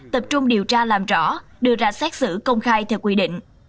tập trung điều tra làm rõ đưa ra xét xử công khai theo quy định